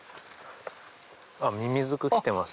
ミミズク来てますね。